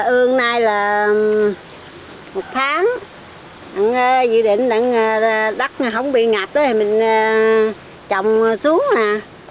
ương nay là một tháng dự định đất không bị ngập tới thì mình trồng xuống nè